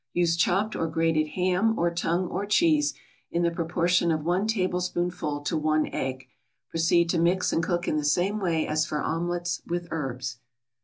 = Use chopped or grated ham, or tongue, or cheese, in the proportion of one tablespoonful to one egg; proceed to mix and cook in the same way as for omelette with herbs.